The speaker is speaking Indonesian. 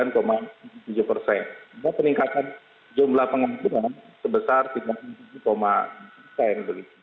kita peningkatkan jumlah pengambilan sebesar tiga tujuh persen